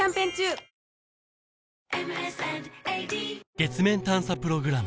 月面探査プログラム